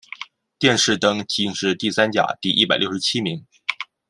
殿试登进士第三甲第一百六十七名。